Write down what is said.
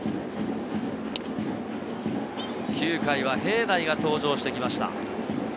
９回は平内が登場してきました。